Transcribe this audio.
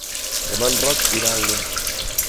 Demà en Roc irà a Anglès.